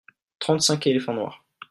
trente cinq éléphants noirs.